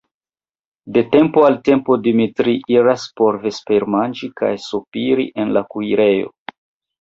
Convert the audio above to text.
De tempo al tempo Dimitri iras por vespermanĝi kaj sopiri en la kuirejo.